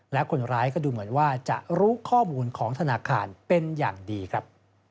และคนร้ายก็ดูเหมือนว่าจะรู้ข้อมูลของธนาคารเป็นอย่างดีครับ